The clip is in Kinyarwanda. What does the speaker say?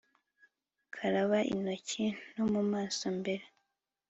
karaba intoki no mu maso mbere